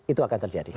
itu akan terjadi